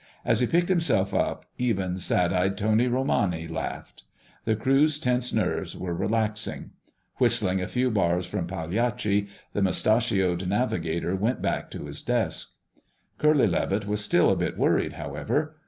As he picked himself up, even sad eyed Tony Romani laughed. The crew's tense nerves were relaxing. Whistling a few bars from Pagliacci, the mustachioed navigator went back to his desk. Curly Levitt was still a bit worried, however.